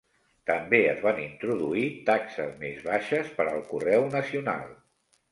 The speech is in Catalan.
També es van introduir taxes més baixes per al correu nacional.